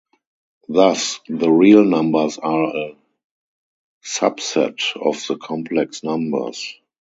Thus the real numbers are a subset of the complex numbers.